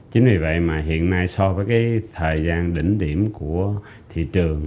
chính vì vậy mà hiện nay so với cái thời gian đỉnh điểm của thị trường